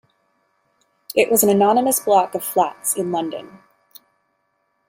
It was an anonymous block of flats in London